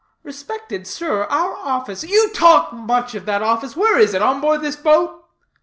"Respected sir, our office " "You talk much of that office. Where is it? On board this boat?"